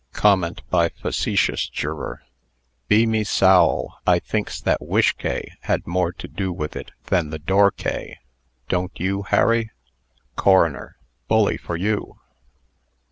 COMMENT BY FACETIOUS JUROR. "Be me sowl, I thinks that whishkay had more to do with it than the doorkay. Don't you, Harry?" CORONER. "Bully for you!"